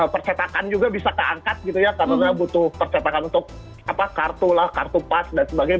percetakan juga bisa keangkat gitu ya karena butuh percetakan untuk apa kartu lah kartu pas dan sebagainya